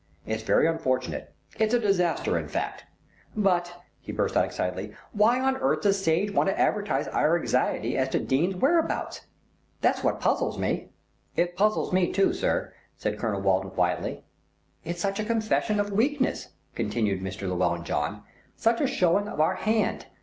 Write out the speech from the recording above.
It's very unfortunate; it's a disaster, in fact. But," he burst out excitedly, "why on earth does Sage want to advertise our anxiety as to Dene's whereabouts? That's what puzzles me." "It puzzles me too, sir," said Colonel Walton quietly. "It's such a confession of weakness," continued Mr. Llewellyn John, "such a showing of our hand.